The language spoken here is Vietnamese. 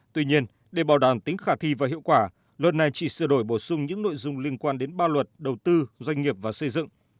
tuy nhiên để bảo đảm tính khả thi và hiệu quả luật này chỉ sửa đổi bổ sung những nội dung liên quan đến ba luật đầu tư doanh nghiệp và xây dựng